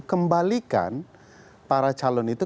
kembalikan para calon itu